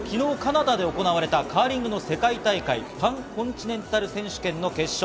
昨日、カナダで行われたカーリングの世界大会、パンコンチネンタル選手権の決勝。